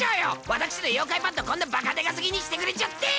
私の妖怪パッドこんなばかでかすぎにしてくれちゃって！